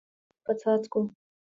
د باران په څاڅکو